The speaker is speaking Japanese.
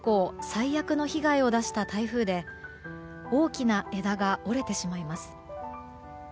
最悪の被害を出した台風で大きな枝が折れてしまいます。